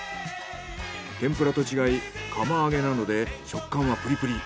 天ぷらと違い釜あげなので食感はプリプリ。